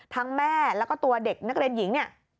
แม่แล้วก็ตัวเด็กนักเรียนหญิงเนี่ย